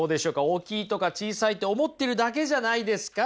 大きいとか小さいって思ってるだけじゃないですか？